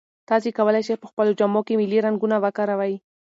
تاسي کولای شئ په خپلو جامو کې ملي رنګونه وکاروئ.